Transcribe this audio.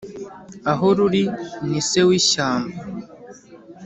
Aho ruri ni se w' ishyamba